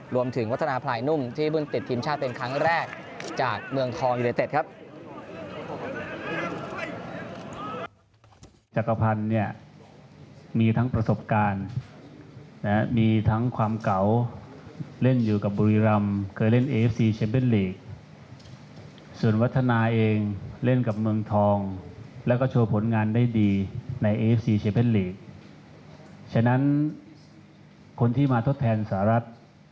วัฒนาพลายนุ่มที่เพิ่งติดทีมชาติเป็นครั้งแรกจากเมืองทองยูเนเต็ดครับ